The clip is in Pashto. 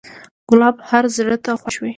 ګلاب هر زړه ته خوښ وي.